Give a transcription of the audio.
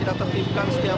ini dalam rangka menjelang